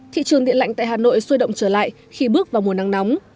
thị trường điện lạnh tại hà nội sôi động trở lại khi bước vào mùa nắng nóng